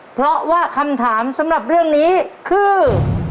เพราะว่าคำถามสำหรับเรื่องนี้คือ